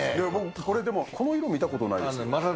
これでもこの色見たことないです。